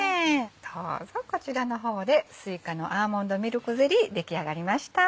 どうぞこちらの方ですいかのアーモンドミルクゼリー出来上がりました。